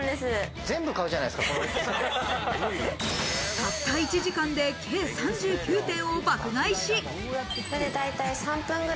たった１時間で計３９点を爆買いし。